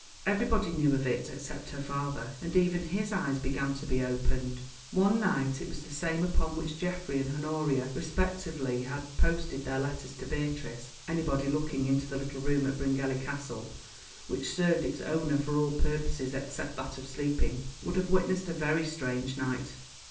Everybody knew of it, except her father, and even his eyes began to be opened. One night—it was the same upon which Geoffrey and Honoria respectively had posted their letters to Beatrice—anybody looking into the little room at Bryngelly Castle, which served its owner for all purposes except that of sleeping, would have witnessed a very strange sight.